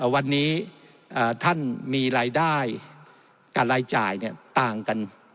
วันนี้ท่านมีรายได้กับรายจ่ายต่างกัน